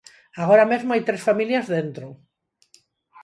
Agora mesmo hai tres familias dentro.